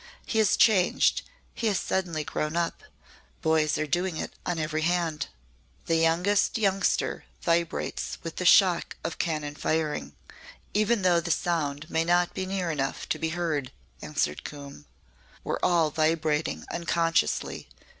He has changed he has suddenly grown up. Boys are doing it on every hand." "The youngest youngster vibrates with the shock of cannon firing, even though the sound may not be near enough to be heard," answered Coombe. "We're all vibrating unconsciously.